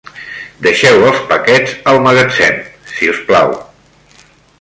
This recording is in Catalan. Deixeu els paquets al magatzem, si us plau.